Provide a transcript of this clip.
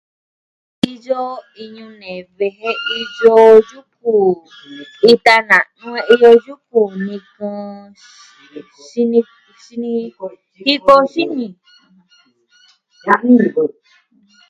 Iyo iñu ne've jen iyo yuku, ita na'nu, iyo yuku nɨkɨn, xini ko... xin... jiko xini.